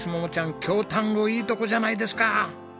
京丹後いいとこじゃないですか。